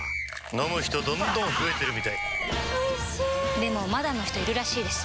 飲む人どんどん増えてるみたいおいしでもまだの人いるらしいですよ